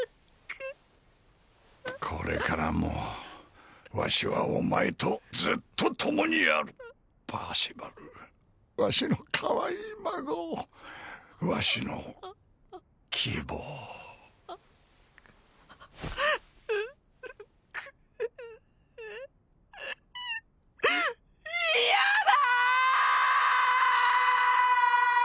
これからもわしはお前とずっと共にあるパーシバルわしのかわいい孫わしの希望いやだ！